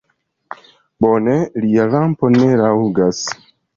Bone, lia lampo ne taŭgas!